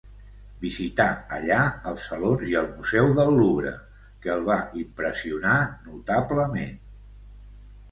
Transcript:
Visita allà els salons i el Museu del Louvre, que el va impressionar notablement.